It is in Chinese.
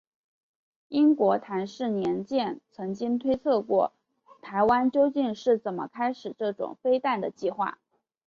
英国詹氏年鉴曾经推测过台湾究竟是怎么开始这种飞弹的计划。